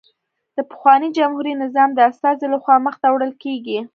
د پخواني جمهوري نظام د استازي له خوا مخته وړل کېږي